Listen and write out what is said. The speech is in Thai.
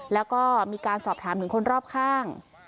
แล้วก็มีการสอบถามถึงคนรอบข้าง